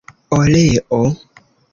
oleo